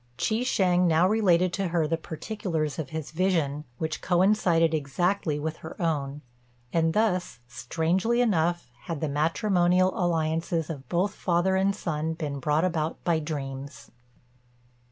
Chi shêng now related to her the particulars of his vision, which coincided exactly with her own; and thus, strangely enough, had the matrimonial alliances of both father and son been brought about by dreams.